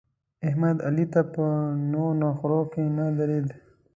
احمد؛ علي ته په نو نخرو کې نه درېد.